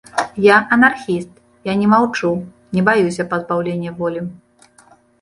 Я анархіст, я не маўчу, не баюся пазбаўлення волі.